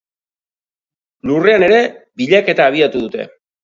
Lurrean ere bilaketa abiatu dute.